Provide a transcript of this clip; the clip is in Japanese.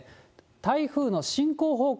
台風の進行方向